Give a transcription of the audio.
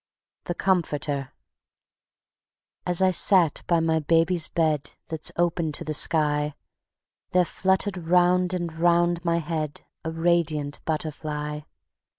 The Comforter As I sat by my baby's bed That's open to the sky, There fluttered round and round my head A radiant butterfly.